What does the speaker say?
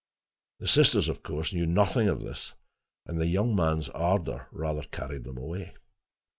The sisters, of course, knew nothing of this, and the young man's ardor rather carried them away.